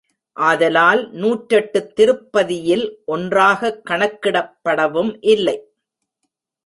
ஆதலால் நூற்றெட்டுத் திருப்பதியில் ஒன்றாகக் கணக்கிடப்படவும் இல்லை.